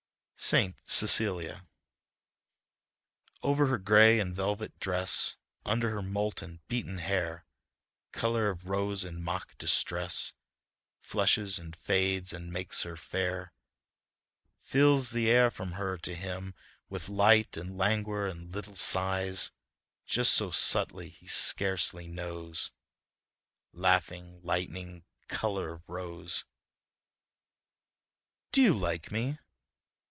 ST. CECILIA "Over her gray and velvet dress, Under her molten, beaten hair, Color of rose in mock distress Flushes and fades and makes her fair; Fills the air from her to him With light and languor and little sighs, Just so subtly he scarcely knows... Laughing lightning, color of rose." "Do you like me?"